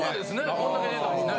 こんだけ出たもんね。